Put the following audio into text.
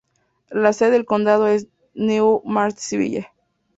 La sede del condado es New Martinsville.